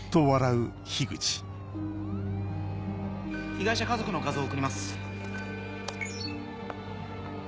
被害者家族の画像送ります。